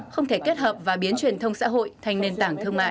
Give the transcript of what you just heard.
không thể kết hợp và biến truyền thông xã hội thành nền tảng thương mại